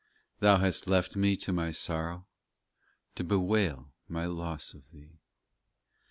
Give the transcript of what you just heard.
Thou hast left me to my sorrow, To bewail my loss of Thee.